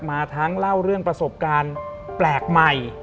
มาทั้งเล่าเรื่องประสบการณ์แปลกใหม่